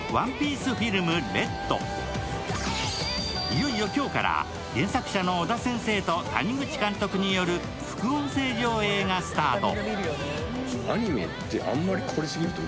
いよいよ今日から原作者の尾田先生と谷口監督による副音声上映がスタート。